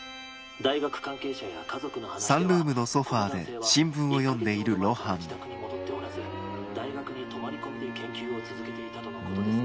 大学関係者や家族の話ではこの男性は１か月ほど前から自宅に戻っておらず大学に泊まり込みで研究を続けていたとのことですが」。